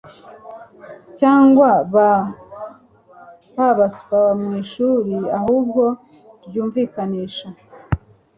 cyangwa b abaswa mu ishuri ahubwo ryumvikanisha